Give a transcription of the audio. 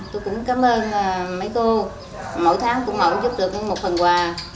tôi cũng cảm ơn mấy cô mỗi tháng cũng mẫu giúp được một phần quà